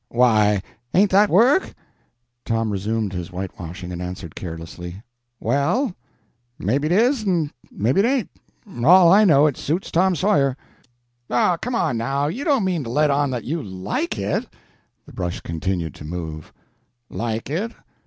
"Why ain't that work?" Tom resumed his whitewashing, and answered carelessly "Well, maybe it is, and maybe it ain't. All I know is, it suits Tom Sawyer." "Oh, come now, you don't mean to let on that you like it?" The brush continued to move. "Like it?